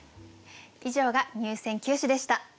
以上が入選九首でした。